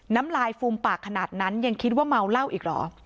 น้ำลายฟูมปากขนาดนั้นยังคิดว่าเมาเหล้าอีกเหรอ